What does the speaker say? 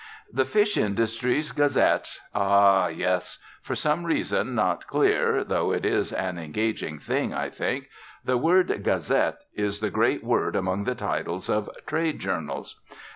The Fish Industries Gazette Ah, yes! For some reason not clear (though it is an engaging thing, I think) the word "gazette" is the great word among the titles of trade journals.